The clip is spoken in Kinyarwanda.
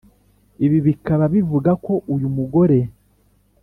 ibi bikaba bivuga ko uyu mugore